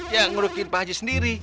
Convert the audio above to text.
ya ngurusin pak haji sendiri